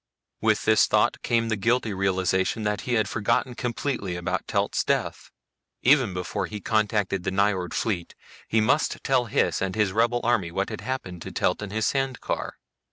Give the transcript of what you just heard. With this thought came the guilty realization that he had forgotten completely about Telt's death. Even before he contacted the Nyjord fleet he must tell Hys and his rebel army what had happened to Telt and his sand car.